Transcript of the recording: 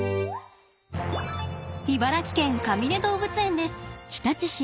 茨城県かみね動物園です。